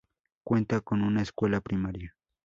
Cuenta con una escuela primaria.